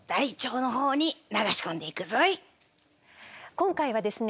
今回はですね